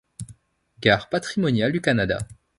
Gares patrimoniales du Canada.